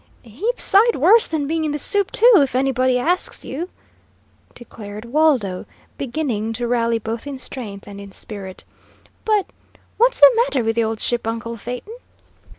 "Heap sight worse than being in the soup, too, if anybody asks you," declared Waldo, beginning to rally both in strength and in spirit. "But what's the matter with the old ship, uncle Phaeton?"